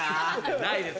ないです。